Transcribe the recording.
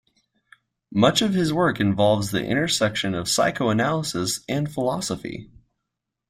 Much of his work involves the intersection of psychoanalysis and philosophy.